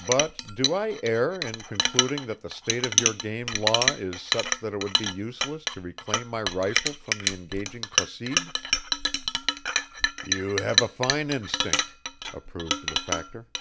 But do I err in concluding that the state of your game law is such that it would be useless to reclaim my rifle from the engaging Placide?" "You have a fine instinct," approved the Factor.